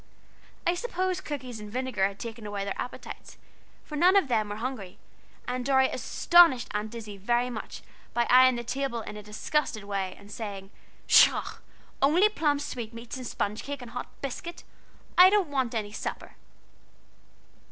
I suppose cookies and vinegar had taken away their appetites, for none of them were hungry, and Dorry astonished Aunt Izzie very much by eyeing the table in a disgusted way, and saying: "Pshaw! only plum sweatmeats and sponge cake and hot biscuit! I don't want any supper."